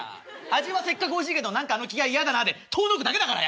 「味はせっかくおいしいけど何かあの気合い嫌だな」で遠のくだけだからやめてくれあれ。